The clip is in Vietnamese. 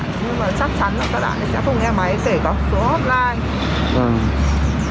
nhưng mà chắc chắn là các bạn sẽ không nghe máy kể có số offline